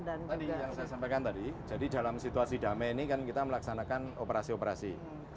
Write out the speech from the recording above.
tadi yang saya sampaikan tadi jadi dalam situasi damai ini kan kita melaksanakan operasi operasi